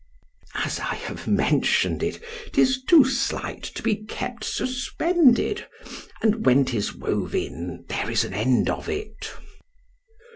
——As I have mentioned it—'tis too slight to be kept suspended; and when 'tis wove in, there is an end of it.